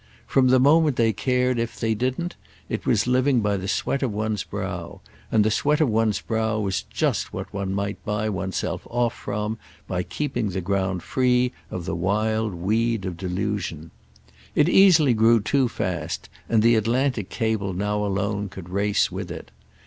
From the moment they cared if they didn't it was living by the sweat of one's brow; and the sweat of one's brow was just what one might buy one's self off from by keeping the ground free of the wild weed of delusion. It easily grew too fast, and the Atlantic cable now alone could race with it.